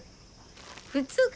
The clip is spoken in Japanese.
普通か！